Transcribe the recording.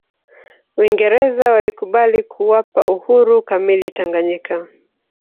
uingereza walikubali kuwapa uhuru kamili tanganyika